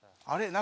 何？